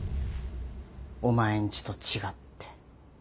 お前ん家と違って。